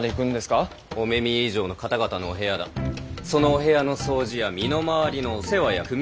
そのお部屋の掃除や身の回りのお世話やくみ